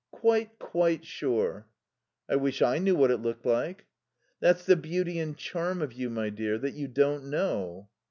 "Quite, quite sure." "I wish I knew what it looked like." "That's the beauty and charm of you, my dear, that you don't know."